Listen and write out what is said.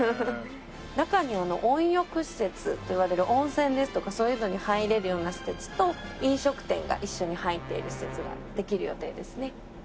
中には温浴施設といわれる温泉ですとかそういうのに入れるような施設と飲食店が一緒に入っている施設ができる予定ですね。